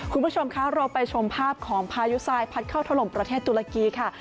คุณผู้ชมคะเราไปชมภาพของพายุทรายพัดเข้าถล่มประเทศตุรกีค่ะ